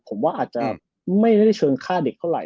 ผมว่าอาจจะไม่ได้เชิงฆ่าเด็กเท่าไห